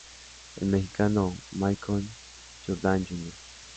El mexicano Michel Jourdain Jr.